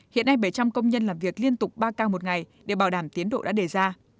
hiện nay bảy trăm linh công nhân làm việc liên tục ba ca một ngày để bảo đảm tiến độ đã đề ra